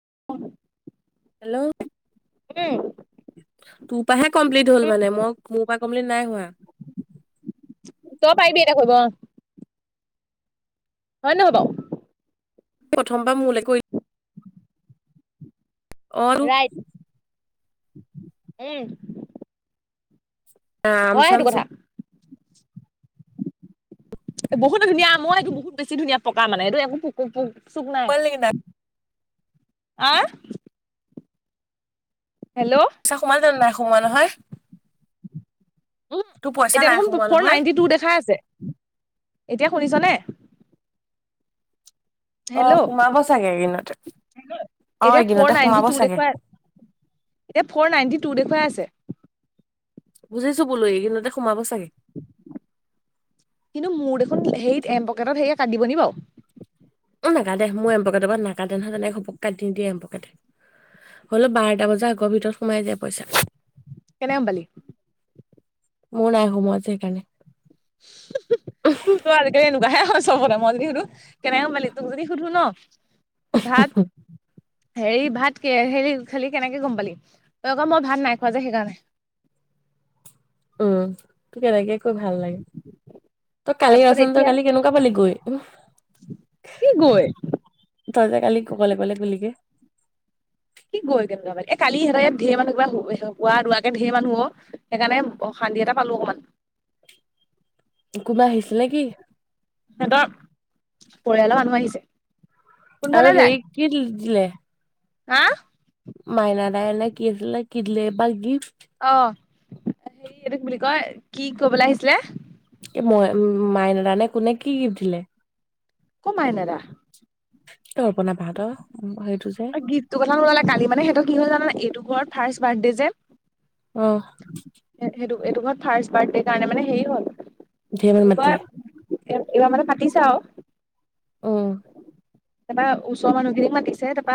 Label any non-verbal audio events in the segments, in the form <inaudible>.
<unintelligible> Hello. উম। তো টাহে complete হ'ল, উম মানে মোক মো পা কমপ্লিট নাই হোৱা। তই পাৰিবি এটা কয়িব অ'। হয়, নহয় বাউ প্ৰথমবাৰ মোলৈ কৰি অ তো ৰাইট। উম। আম হয় চাম সেইটো <unintelligible> কথা বহুতে ধুনীয়া মই একো বহুত বেছি ধুনীয়া পকা মানে এইটো একো পোকো-পোক চুক নাই। সোমাল নেকি আহ হেল্ল' পইচা সোমাল জানো? নাই সোমোৱা নহয়? উম, তোৰ পইচা এতিয়া নাই দেখোন সোমোৱা ফৰ নহয় নাইনটি টু দেখা আছে এতিয়া শুনিছনে? হেল্ল' অ', সোমাব চাগে একেইদিনতে <unintelligible> এতিয়া ফৰ নাইনটি টু দেখুৱা এতিয়া ফৰ নাইনটি তো দেখুৱাই আছে। বুজিছো বোলো একেইদিনতে সোমাব চাগে কিন্তু মোৰ দেখোন হেয়িত এম পকেটত হেয়িয়ে কাটিব নি বাও? নাকাতে মোৰ এম্পকটৰ পৰা নাকাতে নহয় তেনেক ঘপক কাটি দিয়ে এম্পকেটে হলেও বাৰটা বজাৰ আগৰ ভিতৰত সোমাই যায় পইচা। কেনে আম পালি? মোৰ নাই সোমোৱা সেইকাৰনে আজি কালি এনেকুৱা হে হয় <inaudible> মই যদি সুধো কেনেকে সোমালি তোক যদি সুধো ন ভাত হেৰি, ভাত কিহেৰে হেৰি খালি কেনেকে গম পালি। তই আকৌ মই ভাত নাই খোৱা যে সেইকাৰণে। উম তো কেনেকে কৈ ভাল লাগে তই কালি তাৰপিছত ৰচোন তই এতিয়া কালি কেনেকুৱা পালি গৈ কি গৈ তই যে কালি <inaudible> কি গৈ কেনেকুৱা ব এ কালি সহঁতে ইয়াত ঢেৰ মানুহ কিবা হোৱা ৰোৱাকে ঢেৰ মানুহ হ সেইকাৰণে শান্তি এটা পালো অকমান কোনোবা আহিছিল নেকি? সিহঁতৰ পৰিয়ালৰ মানুহ আহিছে। আৰু কোনফালে যায় হেৰি কি দিলে হা মাইনাদায় নে কি আছিলে কি দলে বা গিফ। অ হেৰি এইটো কি বুলি কয় কি কবলৈ আহিছিলে মই মাইনাডানে কোনে কি গিফ্ট দিলে? কৌ মাইনা দা তৰ্পনা বা হতৰ ঐ গিফ্টো কথা ক'ব নালাগে। কালি মানে সিহতৰ কি হ'ল জাননে নাই এইটো ঘৰত ফাৰ্ষ্ট বাৰ্থডে যে আহ সেইটো এইটো ঘৰত ফাষ্ট বাৰ্থডে কাৰণে মানে হেৰি হ'ল নে মানুহ মাতিলে এ এইবাৰ মানে পাতিছা আৰু উম তাৰপৰা ওচৰৰ মানুহখিনিক মাতিছে। তাৰপা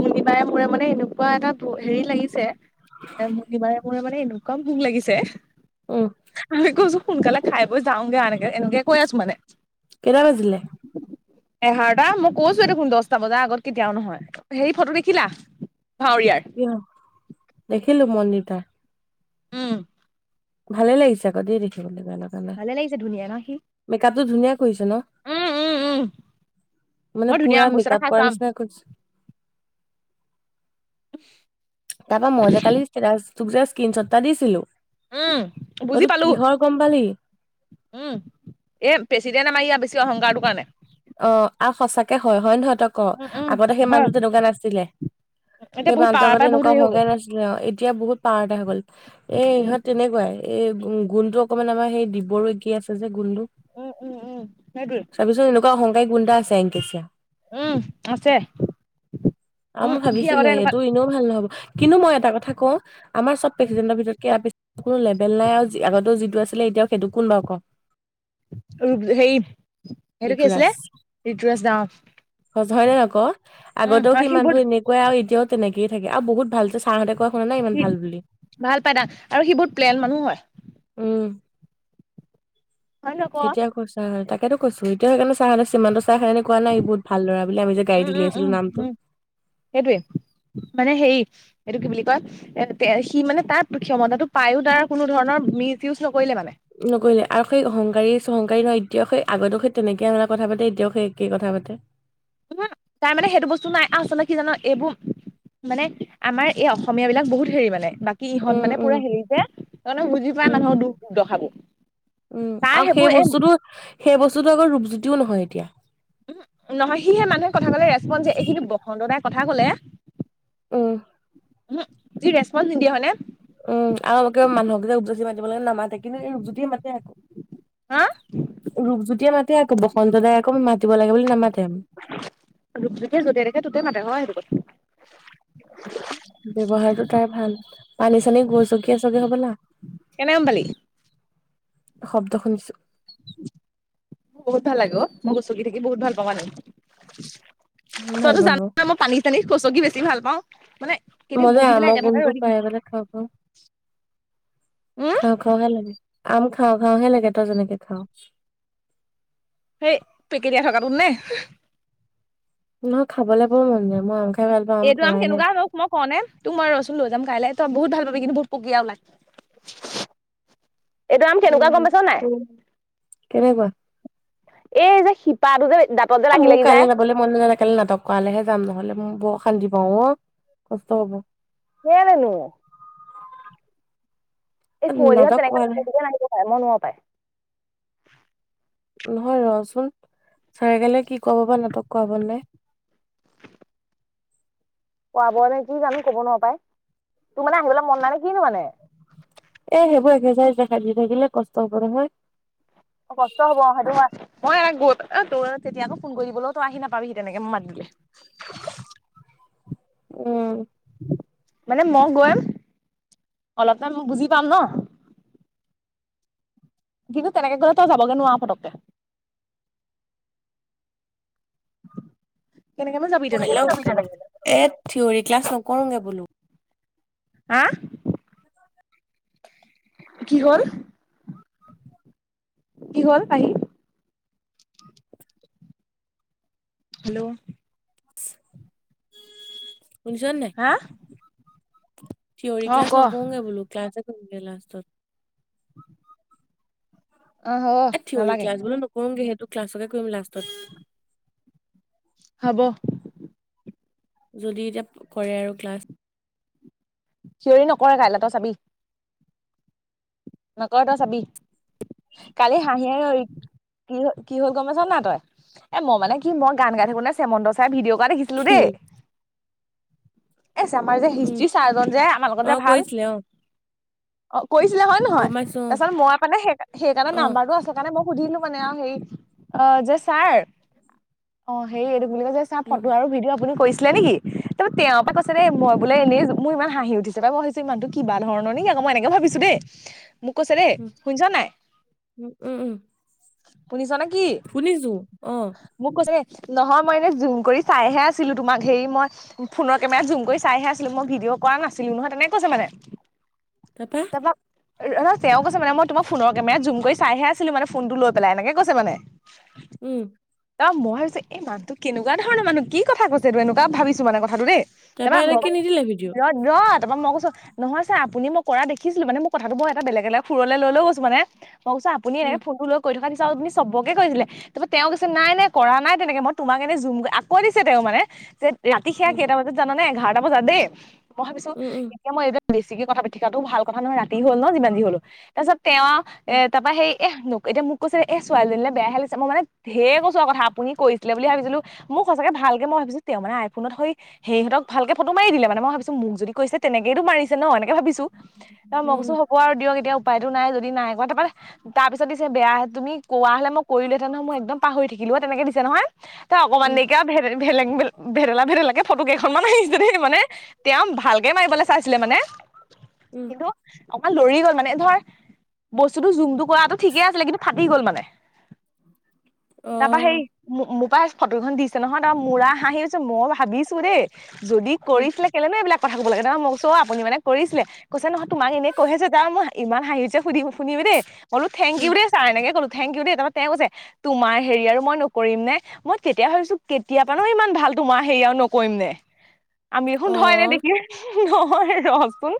মনিবাৰে মূৰে মানে এনেকুৱা এটা ভো হেৰি, লাগিছে এ মৰ্নিবাৰে মূৰে মানে এনেকুৱা ভোক লাগিছে। উম আমি কছো, সোনকালে খাই বৈ যাওগে এনেকে এনেকে কৈ আছো মানে। কেইটা বাজিলে? এঘাৰটা মো কৈছো দেখোন দচটা বজাৰ আগত কেতিয়াও নহয়। হেৰি ফটো দেখিলা? ভাৱৰীয়াৰ কিয়? দেখিলো মন্দিৰ নাই উম ভালে লাগিছে আকৌ দে দেখিবলৈ। গানৰ কাৰণে ভালে লাগিছে ধুনীয়া ন সি। মেকআপটো ধুনীয়া কৰিছে ন। উম উম উম মানে মই ধুনীয়া পুৰা আম পইচা মেক এটা আপ খাই কৰা চাম নিচিনা কৰিছে তাৰপৰা মই যে কালি ষ্টেটাছ তোক যে স্ক্ৰীনশ্বট এটা দিছিলো। উম বুজি সেইটো পালো, কিহৰ গম পালি উম এ' প্ৰেচিডেণ্ট মাৰিয় অহংকাৰটো কাৰণে। অঁ, আৰু সচাকে হয়। হয়ে নহ ক, উম উম আগতে সেই হয় মানুহটোো তেনেকুৱা নাছিলে, এতিয়া সেই বহুত মানুহটো পাৱাৰ আগতে পাই বহুত এনেকুৱা হেৰি হৈ গ'ল হহকে নাছিলে অ' এতিয়া বহুত পাৰ এটা গল, এ' উম ইহঁত তেনেকুৱাই। এই গোন্ টো অকমান আমাৰ সেই দিবৰো একি আছে, যে গুন্টো উম-উম-উম, হেতোএ শংকাই গুন্ডা আছে এংকেচা উম আছে উম মই সি ভাবিছিলো আগতে এনেকুৱা এইটো এনেও ভাল নহব, কিন্তু মই এটা কথা কওঁ, আমাৰ চব প্ৰেচিডেন্টৰ ভিতৰত ইয়াত কোনো লেভেল নাই আৰু আগতেও যিটো আছিলে এতিয়াও সেইটো, কোন বাৰু ক? সেই সেইটো কি ঋতুৰাজ আছিলে? ঋতুৰাজ দাও, অঁ। সজৰে আকৌ আগতেও সিমানতো এনেকুৱাই আৰু এতিয়াও তেনেকে থে, আৰু বহুত ভাল ছাৰহঁতে কয় শুনা নাই ইমান সি ভাল বুলি ভাল পাই দা, আৰু সি বোৰত প্লেন মানুহ হয়। হয় ন ক কেতিয়া কৈছা তাক সেইটো কৈছো, এতি সেইণে <unintelligible> চ চিমান তাৰ কাৰনে কোৱা নাই বহুত ভাল লৰা বুলি, আমি যে উম গাড়ীত উম উম উলিয়াইছিলো নামটো উম সেইটোৱে মানে হেৰি এইটো কি বুলি কয়, এ' সি মানে তাৰ ক্ষমতাটো পায়ো তাৰ কোনো ধৰণৰ মিচ ইউজ নক নগৈলে আৰু সেই অহংকাৰী ন <unintelligible> এতিয়াও সেই আগতক সেই তেনেকে <unintelligible> আে কথা পাতে এতিয়াও সেই একেই কথা পাতে। উ, তাৰ মানে সেইটো বস্তু নাই, আচল কি জান এইবোৰ, মানে আমাৰ এই অসমীয়া বিলাক বহুত হেৰি মানে। বাকী ইহঁত উম মানে উম পুৰা হেৰি যে, তমানে বুজি পোযৱা উম মানুহ দুখ দহা বো। উম আৰু সেই বস্তুতটো সেই বস্তুটো আগ ৰূপজ্যোতিও নহয় এতিয়া। উম নহয়, সিহে মানুহে কথা কলে ৰেচপ, এই কিন্তু বসন্ত দাই কথা কলে উম উহম, হি ৰেচপন্ঞ্চ নিদিয়া, হয়নে? উম, আৰু একে মানুকেই যে উদ্জচি মাতিব লাগে, নামা কিন্তু এই ৰূপজ্যোতিয়ে মাতে আকৌ, হা ৰূপজ্যোতিয় মাতে আকৌ, বসন্ত দাই আকৌ মাতিব লাগে বুলি নামাতে। ৰূপজ্যোতিয়ে য'তে দেখে ত'তে মাতে <inaudible> ব্যৱহাৰটো তাৰ ভাল পানী চানী গৈছো কি চাগে হব লা। কেনেকে গম পালি শব্দ শুনিছো। বহুত ভাল লাগ ও', মই গুচকি থাকি বহুত ভাল পাওঁ মানে। ভাল তইতো জান পাব ন মই পানী চানী কছ কি বেছি ভাল পাওঁ, মানে কেতিয়া মই যে বহি পেলাই আমৰ একে ঠাইতে গোন্ধটো ৰৈ থাকিম পাই মানে খাওঁ খাওঁ উম খাওঁ খাওঁ হে লাগে। আম খাওঁ খাওঁ হে লাগে তই যেনেকে খাওঁ। সেই পেকেটিয়াই থকাটো নে? নহয় খাবলৈ বৰ মন যায়, মই আ এইটো আম কেনেকুৱা হব মই কওঁ নে? তোৰ মই ৰচোন লৈ যাম কাইলে তই বহুত ভাল পাবি কিন্তু বহুত পুকীয়া ওলাই। এইটো আম কেনেকুৱা উম গম পাইছ নাই। কেনেকুৱা। এই যে শিপা টো যে দাঁতত যে লাগি মোৰ লাগি যায় কাইলৈ যাবলৈ মন নযায়, কাইলৈ নাটক কৰালে হে যাম নহ'লে মোৰ বৰ অশান্তি পাওঁ অ কষ্ট হব। কেলে নো? এই কুঁৱলীহত নাটক তেনেকে কৰালে আহিবও পায় নাহিবও পায় মই নোৱাৰো পায়। নহয় ৰহ চোন ছাৰে কেলে কি কৰাব বা নাটক কৰাব নাই। কৰাব নেকি জানো কব নোৱাৰ পাই, তোৰ মানে আহিবলৈ মন নাই নো কিনো মানে? এ সেইবোৰ এক্সাৰচাইজ দেখাই থাকিব থাকিলে কষ্ট হব নহয়। অ কষ্ট হব সেইটোৱে। মই গ'ত তই তেতিয়া আকৌ ফোন কৰিবলৈ তই আহি নাপাবিহি তেনেকে মই মাত দিলে। উম। মানে মই গৈম অলপমান মই বুজি পাম ন। কিন্তু তেনেকে গলে তই যাবগে নোৱাৰ পতককে। কেনেকেনো হেল্ল', যাবি তেনেকে এ পতককে যাবলে থিয়ৰী ক্লাছ নকৰোংগে বোলো। হাঁ, কি হ'ল? কি হ'ল পাহি? হেল্ল' <inaudible> শুনিছ নে নাই? হা থিয়ৰি অ ক্লাছ ক নকৰোঙে বলো ক্লাছ এ লাষ্টত। অ হব এ থিয়ৰী নালাগে। ক্লাছ বোলো নকৰোগে সেইটো ক্লাছকে কৰিম লাষ্টত। হব। যদি এতিয়া কৰে আৰু ক্লাছ থিয়ৰি নকৰে কাইলৈ তই চাবি। নকৰে তই চাবি, কালি হাঁহি কি কি হল গম পাইছ না তই? এ মই মানে কি মই গান গাই থাকোতে চেমন্ত ছাই ভিডিঅ' কোৱা দেখিছিলো কি দেই। এ আছে আমাৰ যে উম হিষ্ট্ৰী ছাৰজন যে আমাৰ লগত অ ভাল কৰিছিলে অ অ কৈ সেইবিলাক হয় নহয় গম পাইছো তাৰপাছত মই মানে সেইকাৰণে অ নাম্বাৰটো আছে কাৰণে মই সুধিলো মানে হেই অ যে ছাৰ অ সেই এইটো বুলি ক যে চা অ উম ফটো আৰু ভিডঅ' আপুনি কৈছিলে নেকি ত তেওঁৰ পৰা কৈছিল পিছত এই মই উম বোলে এনে আছোঁ মোৰ ইমান হাঁহি উঠছে বাৰু ইমানটো কিবা ধৰণৰেক আক মই এনেকা ভাবিছো দেই মোক কৈছে দেই উম শুনিছ নাই উম উম উম শুনিছা নে কি? শুনিছো অ মোক কৈছে নহয় মই এনেই জুম কৰি চাইহে আছিলো তোমাক হেৰি মই ফোনৰ কেমেৰাত জুম কৰি চাইহে আছিলো মই ভিডিঅ' কৰা নাছিলো নহয় তেনেকে কৈছে মানে আপা ৰহ তেওঁ কৈছে মানে মই তোমাক ফোনৰ কেমেৰাত জুম কৰি চাইহে আছিলো মানে ফোনটো লৈ পেলাই এনেকে কৈছে মানে উম ত মই ভাবিছোঁ এই মানুহ কেকুৱা ধৰণৰ মানুহ কি কথা কৈছে এইটো এনেকুৱা ভিছো মানে কথাটো দেই তাৰপা তাপা এতিয়া কি নিদিলে ভিডিঅ' <unintelligible> তাৰপৰা মই কৈছো, নহয় ছাৰ আপুনি মই কৰা দেখিছিলো, মানে মোক কথাটো মই এটা বেলেগ-বেলেগ সুৰলে লৈ গৈছো মানে। মই কৈছোঁ আপুনি উম এনেকে ফোনটো লৈ কৰি থকা নিচ তুমি চবকে কৈছিলে, তাৰপৰা তেওঁ কৈছে, নাই নাই কৰা নাই তেনেকে, মই তোমাক এনে জুম, আকৌ দিছে তেওঁ মানে, যে ৰাতি সেইয়া উম কেইটা বজাত জানানে, এঘ এঘাৰটা বজাত দেই। মই ভাবিছো, উম উম এতিয়া মই এইবিলাক বেছিকে কথা পাতি থকাটোও ভাল কথা নহয়, ৰাত তি হ'ল ন, যিমান যি হ'লেও, তাৰপিছত তেওঁ, এ উম তাৰপৰা হেৰি এহ ন'ক, এতিয়া মোক কৈছে দেই, এহ্ ছোৱালজনীলে বেয়াহে লাগিছে, মই মানে ঢেৰ কৈছো আৰু কথা, আপুনি কৈছিলে বুলিহে ভাবিছিলো, মোক সঁচাকে ভালকে মই ভাবিছোঁ, তেওঁ মানে আইফোনত সৈ হেৰিহঁতক ভালকে ফটো মাৰি দিলে মানে, মই ভাবিছো মোক যদি কৰিছে তেনেকেইতো মাৰিছে ন, এনেকে ভাবিছো। তাৰপিছত মই কৈছোঁ উম হ'ব আৰু দিয়ক, এতিয়া উপ উপায়তো নাই, যদি নাই <unintelligible> তাৰপিছত দিছ যে বেয়া, তুমি কোৱা হ'লে মই কৰিলোহেঁতেন নহয়, মই একদম পাহৰি থাকিলো অ', তেনেকে দিছে নহয়। তই অকমান উম দেৰিকে আৰু ভেদে ভেলেং-ভেদ, ভেদেলা ভেডেলাকে ফটো কেইখ <unintelligible> দেই মানে, তেওঁ ভালকে মাৰিবলৈ চাই ছিলে মানে। উম। অকণ লৰি গ'ল, মানে ধৰ বস্তুটো জুমটো কৰাটো ঠিকেই আছিলে, কিন্তু ফাটি গ'ল মানে। অ তাৰপৰা হেৰি মো-মোক পাই ফটোখন দিছে নহয়, তাৰ মোৰ আৰু হাঁহি উঠিছে, মই ভাবিছো দেই যদি উম কৰিছিলে, কেলেইনো এইবিলাক কথা ক'ব লাগে, তাৰ পৰা মই কৈছোঁ আপুনি মানে কৰিছিলে, কৈছে নহ তোমাক এনেই কৈ হে চাইছোঁ, তাৰপা মোৰ ইমান হাঁহি উঠিছে সুধিব-শুনিবি দেই। মই বোলো থেংক ইউ উম দেই ছাৰ, এনেকে ক'লো থেংক ইউ দেই, তাৰপৰা তেওঁ কৈছে, তোমাৰ হেৰি আৰু মই নকৰিম নে, মই তেতিয়া ভাবিছো, কেতিয়া পৰানো ইমান ভাল তোমাৰ হেৰি আৰু নকৰিম নে। আমি দেখোন অ ধৰ এনে দেখিয়ে নহয় ৰচোন,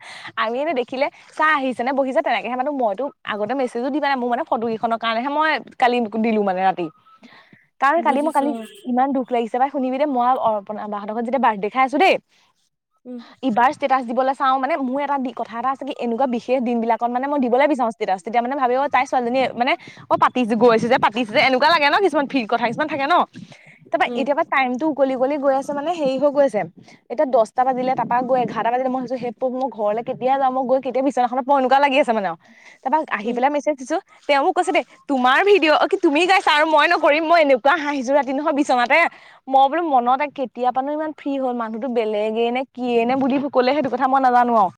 আমি এনে দেখ খিলে ছাৰ আহিছে নে বহিছে, তেনেকেহে মাতো, মইতো আগতে মেছেজো দি পোৱা নাই, মোৰ মানে ফটো কেইখনৰ কাৰণেহে মই কালি দিলো মানে ৰাতি। কাৰণ, কালি-মই বুজিছো কালি অ ইমান দুখ লাগিছ তাৰ পৰা শুনিবি দেই, মই অৰ্পনাবাহঁতৰত যেতিয়া বাৰ্থডে খাই আছো দেই উম ইবাৰ ষ্টেটাছ দিবলৈ চাওঁ মান মোৰ এটা দি কথা এটা এনেকুৱা বিশেষ দিন বিলাক কত মানে মই দিবলৈ বিচাৰাওঁ তেতিয়াা তেতিয়া মানে ভাবি তাই ছোৱালজনী মানে অ পাতিছে গৈছে পাছে এনেকুৱাাগে ন কিছুমান ফ কথা কিছু থে ন তাৰাপা উম এতিয়াৰ পৰা টাইম টো উকলি উকলি গৈ আছে মানে হেৰি হৈ গৈছে এতিয়া দহটা বাজিলে তাৰা গৈ এঘাৰটা বাজ মইছো স মোৰ ঘৰলে কেতিয়া যাওঁ মোক গৈ কেতিয়া বি্বনাখনত মই এনেুৱা লাগি আছে মানে আৰু। তাৰপাক আহি উম পেলাই মিচাই দিছো তেওঁ মোক কৈছে দে তোমাৰ ভিডিঅ' অ কি তুমি গাইছা আৰু মই নকৰিম মই এনেকুৱা হাঁহিযোৰ ৰাতি নহয় বিচনাতে মই বোলো মনত কেতিয়া পানো ইমান ফ্ৰী হল মানুহটো বেলেগে নে কিিয়ে নে বুলি কলে সেইটো কথা মই নাজানো আৰু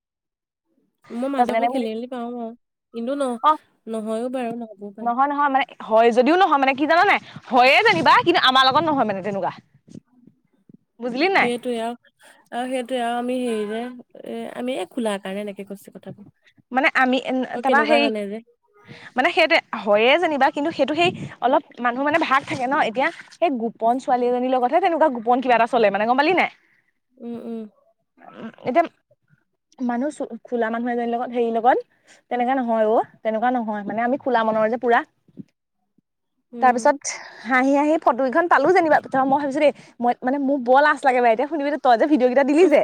মই তাৰপিছত মানকে এনে খেলি বুলি -মেলি পাও আৰু কিন্তু ন অ নহয়ও বাৰু লাগো পাই। নহয় নহয় মানে হয় যদিও নহয় মানে কি জানানে হয়য়ে জানিবা কিন্তু আমাৰ লগত নহয় মানে তেনেকুৱা বুজিলি নাই সেইটোে। আৰু সেইটোয়ে আৰু আমি হেৰি যে এ আমি এই খোলাৰ কাৰণে এনেকে কছ কথাাবোৰ মানে আমি তাৰপা হেৰি মানে সেইটোৱে হয়য়ে যেনিবা কিন্তু সেইটো সেই অলপ মানুহ মানে ভাগ থাকে ন এতিয়া সেই গোপন ছোৱালী এজনীৰ লগতহে তেনেকুৱা গোপন কিবা এটা চলে মানে গম পালি নাই। উম উম উ এতিয়া। মানুহ চ খোলা মানুহে যে লগত। হেৰিৰ লগত তেনেকা নহয় অ' তেনেকুৱা নহয় মানে আমি খোলা মনৰ যে পুৰা। উম তাৰপিছত হাঁহি হাঁহি ফটোগেইখন পালো যেনিবা ত মই ভাবিছোঁ দেই মই মানে মোক বৰ লাজ লাগে বাইদেও শুনিবি তই যে ভিডিঅ' কেইটা দিলি উম যে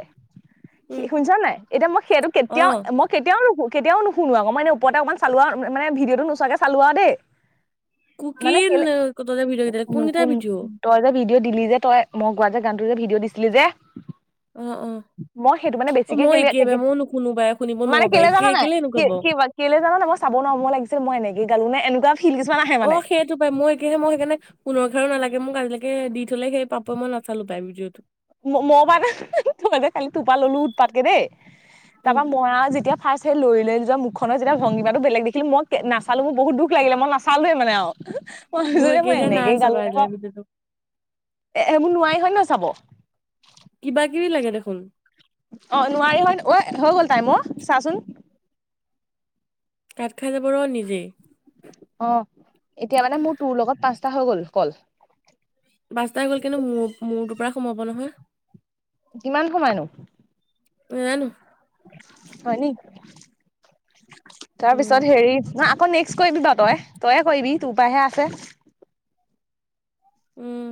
উম শুনিছ নাই এতিয়া মই সেইটো অ কেতিয়াও মই হু কেতিয়াও নুশুনো আক মানে ওপৰতে অকমান চালোৱা মানে ভিডিঅ'টো নোচোৱাকে চালো আও দেই মানে কুকিন কেলে ভিডিঅ কেইটা কোন কেইটা নুশুন ভিডিঅ তই যে ভিডিঅ' দিলি যে তই মই গোৱা যে গানটো যে ভিডিঅ' দিছিলি যে অ মই সেইটো মানে অ বেছিকে মই কেলে একেবাৰে মই নুশুনো বা মানে কেলে জান নাই কে কি লা কেলে জান নাই মই চাব নোৱাৰো মোৰ লাগিছে মই এনে কি গালো নে এনুকা অ সেইটো পাই মই একেহে মই সেইকাৰণে মোকহে নালাগে মোক আজিলেকে দি থ'লে সেই পাপু মই নচালোঁ পায় ভিডিঅ'টো ম মই পা তোমা যে খালো তোপা ললো উৎপাতকে দেই তা উম পা মই আৰু যেতিয়া ফাৰ্ষ্ট সেই লৰি লৈ যোৱা মুখনৰ যেগা ভংগিমাটো বেলেগ দেখিলো মই কে নচালো বহুত দুখ লাগিলে মই নচালোৱেই মানে আও মই জোৰে মই একেহে নাই এনেকে চোৱা গালো পাই আজিলৈকে ভিডিঅ'টো এ, এইবোৰ নোৱাৰি হয় ন চাব। কিবা কিবি লাগে দেখোন। অ', নোৱাৰি হয়। অ' হয় গ'ল টাইম অ' চাচোন। কাট খাই যাব ৰ নিজেই। অ', এতিয়া মানে মোৰ তোৰ লগত পাঁচটা হৈ গ'ল কল। বাচতা হৈ গ'ল কিন্তু মোৰ, মোৰটো। পুৰা সোমাব নহয়। কিমান সোমায়নো? নাজানো। হয়নি । <unintelligible> তাৰপিছত উম, হেৰিত না। আকৌ নেক্সট কৰিবি বা তই, তইয়ে কৰিবি তোৰ পৰাহে আছে। উম।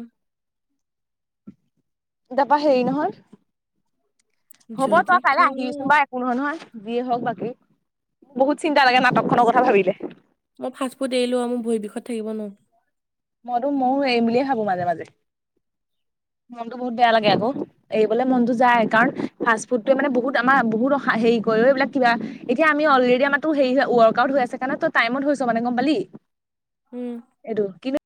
তা পা হেৰি নহয়। হ'ব যদি তই কাইলৈ কওঁ আহিবিছোন বাৰু একো নহয়, নহয়। যিয়ে হওক বাকী বহুত চিন্তা লাগে নাটক খনৰ কথা ভাবিলে। মই ফাষ্ট ফুড এৰিলো আৰু মোৰ ভৰি বিষত থাকিব নোৱাও। মইতো ময়ো এৰিম বুলিয়ে ভাবো মাজে মাজে মনটো বহুত বেয়া লাগে আকৌ এৰিবলে মনটো যায় কাৰণ ফাষ্ট ফুডটোৱে মানে বহুত আমাৰ বহুত হেৰি কৰে এইবিলাক কিবা এতিয়া আমি অলৰেডি আমাৰটো হেই ৱৰ্কআউট হৈ আছে কাৰণে তই টাইমত হৈছ মানে গম পালি। উম। এইটো কিন্তু।